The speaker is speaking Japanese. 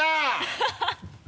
ハハハ